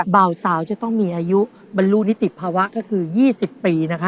เบาสาวจะต้องมีอายุบรรลุนิติภาวะก็คือ๒๐ปีนะคะ